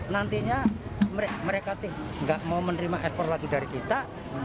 nantinya mereka nggak mau menerima ekspor lagi dari kita